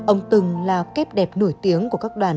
ông từng là kép đẹp nổi tiếng của các đàn ông